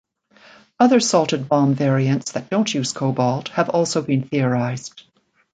Other salted bomb variants that don't use cobalt have also been theorized.